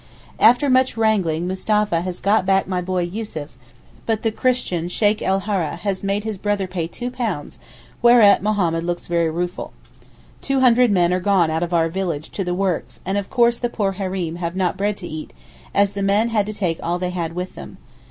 After much wrangling Mustapha has got back my boy Yussuf but the Christian Sheykh el Hara has made his brother pay £2 whereat Mohammed looks very rueful. Two hundred men are gone out of our village to the works and of course the poor Hareem have not bread to eat as the men had to take all they had with them.